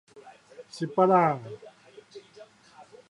支伯拉的